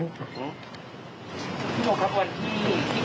พี่โบครับวันที่หูเรือเนี่ย